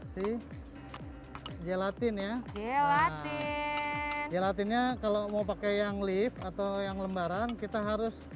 sih gelatin ya gelatinnya kalau mau pakai yang lift atau yang lembaran kita harus